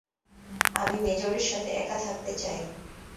আমি মেজরের সাথে একা থাকতে চাই।